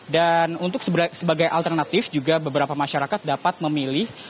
dan untuk sebagai alternatif juga beberapa masyarakat dapat memilih